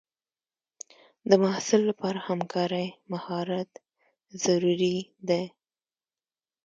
د محصل لپاره همکارۍ مهارت ضروري دی.